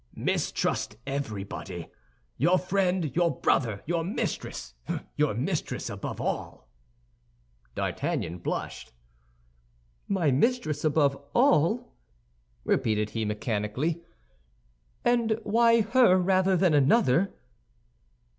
Mistrust everybody, your friend, your brother, your mistress—your mistress above all." D'Artagnan blushed. "My mistress above all," repeated he, mechanically; "and why her rather than another?"